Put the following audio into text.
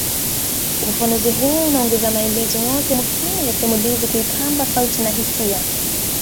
Ufafanuzi huo unaongeza maelezo yote muhimu ya simulizi kuipamba sauti na hisia